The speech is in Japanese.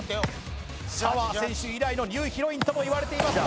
澤選手以来のニューヒロインともいわれています